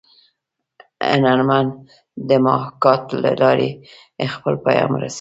هنرمن د محاکات له لارې خپل پیام رسوي